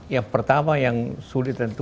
yang pertama yang sulit tentu